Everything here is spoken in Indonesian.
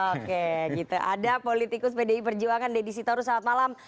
oke gitu ada politikus pdi perjuangan deddy sitorus selamat malam